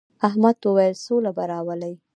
احمد وويل: سوله به راولې.